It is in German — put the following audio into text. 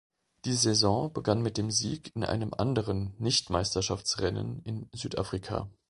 Die Saison begann mit dem Sieg in einem anderen Nicht-Meisterschaftsrennen in Südafrika.